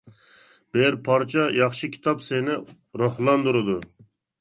بىر پارچە ياخشى كىتاب سېنى روھلاندۇرىدۇ.